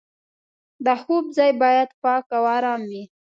د خوب ځای باید پاک او ارام وي.